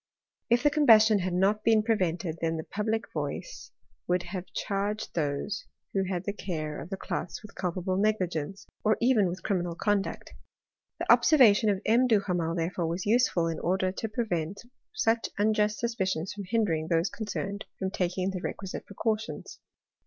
If the combustion had not been pre vented, then the public voice would have charged those who had the care of the cloths with culpable negligence, or even with criminal conduct. The observation of M. Duhamel, therefore, was useful, in order to prevent such unjust suspicions from hindering those concerned from taking the requisite precautions.